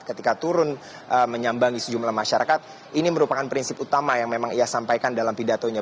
ketika turun menyambangi sejumlah masyarakat ini merupakan prinsip utama yang memang ia sampaikan dalam pidatonya